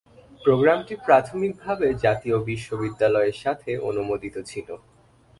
প্রোগ্রামটি প্রাথমিকভাবে জাতীয় বিশ্ববিদ্যালয়ের সাথে অনুমোদিত ছিল।